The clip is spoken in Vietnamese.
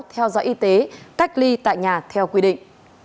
theo dõi y tế cách ly tại nhà theo quy định